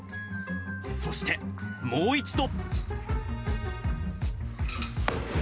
そして、もう一度。